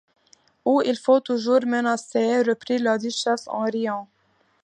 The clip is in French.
Où il faut toujours menacer, reprit la duchesse en riant.